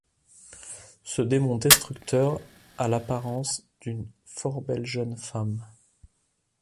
Ce démon destructeur a l'apparence d'une fort belle jeune femme.